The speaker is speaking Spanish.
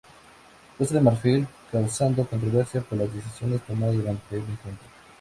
Costa de Marfil, causando controversia por las decisiones tomadas durante el encuentro.